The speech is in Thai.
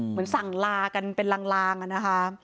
เหมือนสั่งลากันเป็นลางอะนะคะ